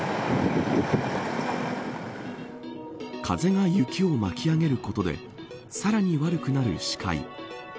風が雪を巻き上げることでさらに悪くなる視界。